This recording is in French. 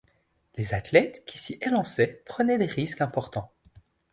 Les athlètes qui s'y élançaient prenaient des risques importants.